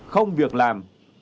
không việc làm